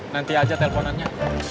nanti aja teleponannya